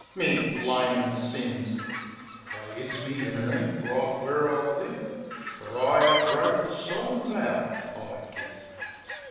Me flamin' sins They 'its me in a 'eap right where I live; Fer I 'ave broke the solim vow I give.